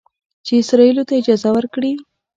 چې اسرائیلو ته اجازه ورکړي